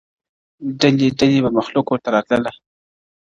ډلي ډلي به مخلوق ورته راتلله؛